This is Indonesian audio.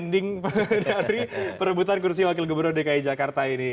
pending dari perebutan kursi wakil gubernur dki jakarta ini